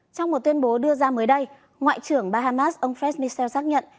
trong một tuyên bố đưa ra mới đây ngoại trưởng bahamas ông fred michel xác nhận